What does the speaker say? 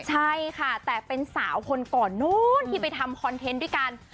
ใช่ค่ะแต่เป็นสาวคนก่อนนู้นที่ไปทำคอนเทนต์ด้วยกัน